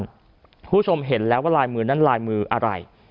คุณผู้ชมเห็นแล้วว่าลายมือนั้นลายมืออะไร